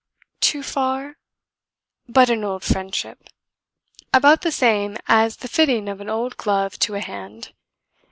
Too far? But an old friendship! About the same as the fitting of an old glove to a hand.